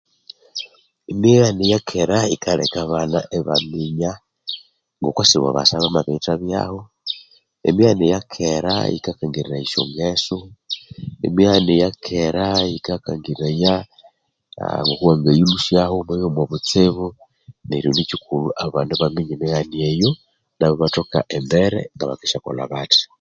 Emighane yakera yikaleka abana ibaminya ngoku sibo basa abamabirithabyaho emighane yakera yikakangiriraya esyongeso emighane yakera yikakangiriraya ngoku wangayilhusyaho wamabya omwabutsibu neryo nikikulha abana ibaminya emighane eyo nuku ibaminya embere ngabakendisyakolha bathi